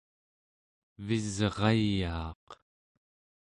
evisrayaaq